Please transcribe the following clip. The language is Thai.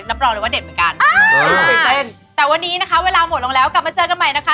รับรองเลยว่าเด็ดเหมือนกันแต่วันนี้นะคะเวลาหมดลงแล้วกลับมาเจอกันใหม่นะคะ